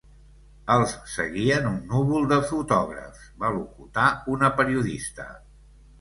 Els seguien un núvol de fotògrafs, va locutar una periodista.